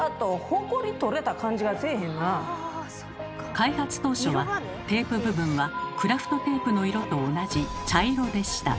開発当初はテープ部分はクラフトテープの色と同じ茶色でした。